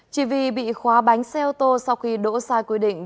chỉ vì bị khóa bánh xe ô tô sau khi đỗ sai quy định